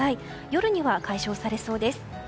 夜には解消されそうです。